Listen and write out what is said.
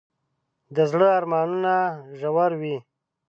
د زړه ارمانونه ژور وي.